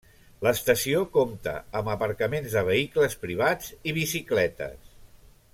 L'estació compta amb aparcaments de vehicles privats i bicicletes.